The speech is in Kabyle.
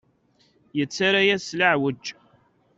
Yettarra-yas s leɛweǧ.